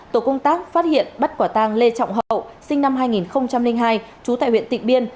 tổ công tác phát hiện bắt quả tàng lê trọng hậu sinh năm hai nghìn hai trú tại huyện tịnh biên